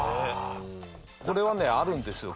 これはねあるんですよ